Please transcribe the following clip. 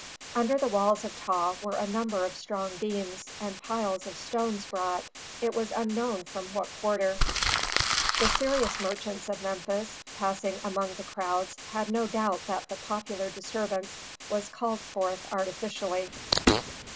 Under the walls of Ptah were a number of strong beams, and piles of stones brought, it was unknown from what quarter. The serious merchants of Memphis, passing among the crowds, had no doubt that the popular disturbance was called forth artificially.